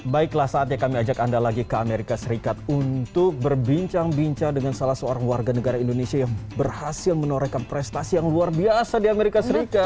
baiklah saatnya kami ajak anda lagi ke amerika serikat untuk berbincang bincang dengan salah seorang warga negara indonesia yang berhasil menorehkan prestasi yang luar biasa di amerika serikat